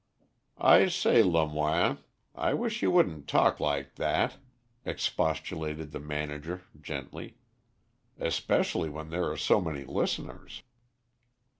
"I say, Lemoine, I wish you wouldn't talk like that," expostulated the manager gently, "especially when there are so many listeners."